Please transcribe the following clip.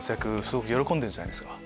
すごく喜んでるんじゃないですか？